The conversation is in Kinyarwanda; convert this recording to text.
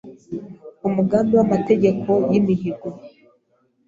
Umugambi w’amategeko y’imihango